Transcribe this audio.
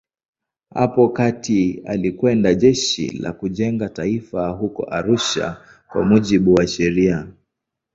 Hapo kati alikwenda Jeshi la Kujenga Taifa huko Arusha kwa mujibu wa sheria.